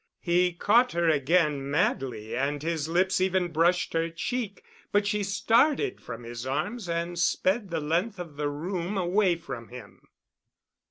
He caught her again madly, and his lips even brushed her cheek, but she started from his arms and sped the length of the room away from him.